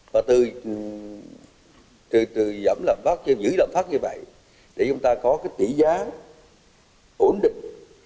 và từ giảm lạm phát trên giữ lạm phát như vậy để chúng ta có cái tỷ giá ổn định